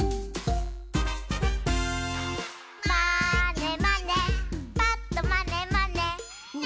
「まーねまねぱっとまねまね」